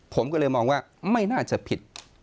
ผมก็เลยมองว่าไม่น่าจะผิด